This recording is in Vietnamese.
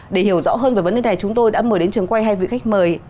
để hiểu rõ hơn về vấn đề này chúng tôi đã mời đến trường quay hai vị khách mời